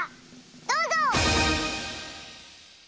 どうぞ！